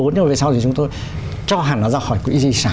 nhưng mà về sau thì chúng tôi cho hẳn nó ra khỏi quỹ di sản